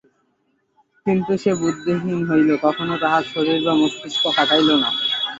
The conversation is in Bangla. কিন্তু সে বুদ্ধিহীন হইল, কখনও তাহার শরীর বা মস্তিস্ক খাটাইল না।